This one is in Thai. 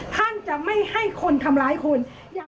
ท่านจะไม่ให้คนทำร้ายคุณ